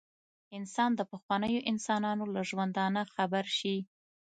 انسان د پخوانیو انسانانو له ژوندانه خبر شي.